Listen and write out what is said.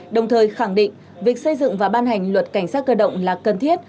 đồng thời khẳng định việc xây dựng và ban hành luật cảnh sát cơ động là cần thiết